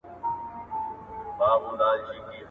دولت د ارامتیا مرحلې ته رسیدلی سي.